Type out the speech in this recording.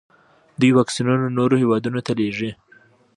دوی واکسینونه نورو هیوادونو ته لیږي.